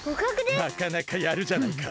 なかなかやるじゃないか。